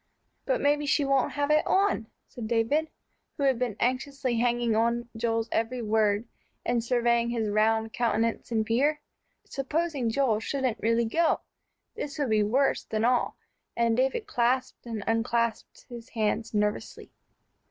"But maybe she won't have it on," said David, who had been anxiously hanging on Joel's every word, and surveying his round countenance in fear. Supposing Joel shouldn't really go! This would be worse than all, and David clasped and unclasped his hands nervously.